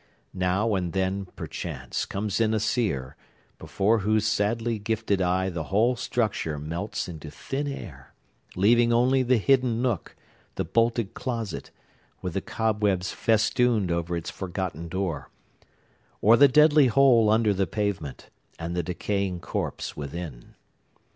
Now and then, perchance, comes in a seer, before whose sadly gifted eye the whole structure melts into thin air, leaving only the hidden nook, the bolted closet, with the cobwebs festooned over its forgotten door, or the deadly hole under the pavement, and the decaying corpse within.